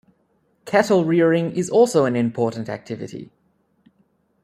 Cattle rearing is also an important activity.